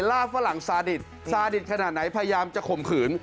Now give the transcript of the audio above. ฝรั่งซาดิตซาดิตขนาดไหนพยายามจะข่มขืน